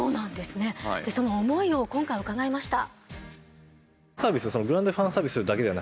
その思いを今回伺いました。